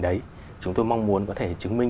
đấy chúng tôi mong muốn có thể chứng minh